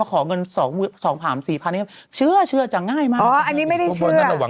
เขาเห็นเหตุมาเยอะ